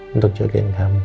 untuk jagain kamu